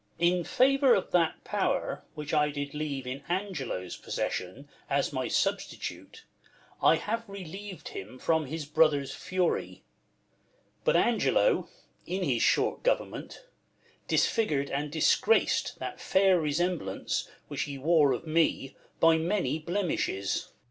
In favour of that pow'r, Avhich I did leave In Angelo's possession, as my substitute, I have reliev'd him from his brother's fury. But Angelo, in his short government, Disfigur'd and disgrac'd that fair Resemblance which he wore of me By many blemishes. ESCH.